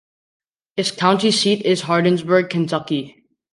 Its county seat is Hardinsburg, Kentucky.